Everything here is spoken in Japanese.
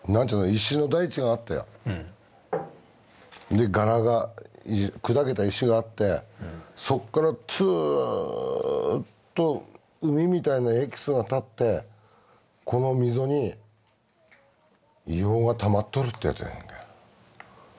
でガラが砕けた石があってそっからツーッと膿みたいなエキスがたってこの溝に硫黄がたまっとるってやつ。